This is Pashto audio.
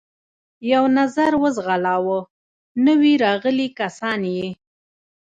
یو نظر و ځغلاوه، نوي راغلي کسان یې.